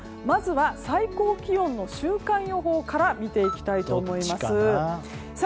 まずは、最高気温の週間予報から見ていきたいと思います。